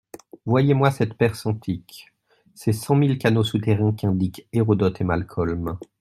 Voyez-moi cette Perse antique, ses cent mille canaux souterrains qu'indiquent Hérodote et Malcolm.